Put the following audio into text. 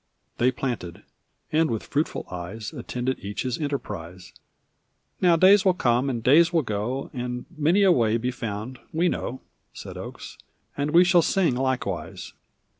They planted and with fruitful eyes Attended each his enteiprise. "Now days will come and days will go, And many a way be found, we know," Said Oakes, "and we shall sing, likewise."